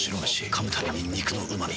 噛むたびに肉のうま味。